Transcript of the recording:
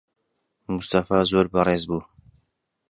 موستەفا زۆر بەڕێز بوو.